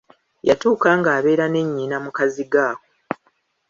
Yatuuka ng'abeera ne nnyina mu kazigo ako.